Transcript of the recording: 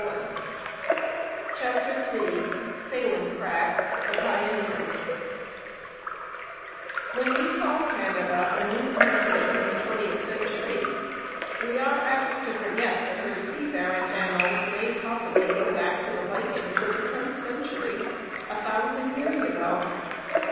CHAPTER III SAILING CRAFT: THE PIONEERS When we call Canada a new country in the twentieth century we are apt to forget that her seafaring annals may possibly go back to the Vikings of the tenth century, a thousand years ago.